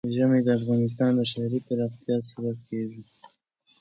ژمی د افغانستان د ښاري پراختیا سبب کېږي.